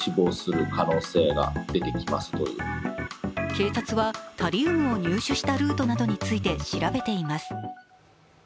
警察はタリウムを入手したルートなどについて調べています。